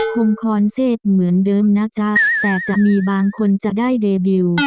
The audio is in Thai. คงคอนเซฟเหมือนเดิมนะจ๊ะแต่จะมีบางคนจะได้เดบิล